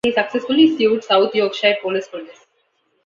He successfully sued South Yorkshire Police for this.